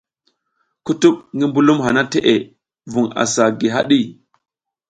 Kutuɓ ti mbulum hana teʼe vun asa gi haɗi.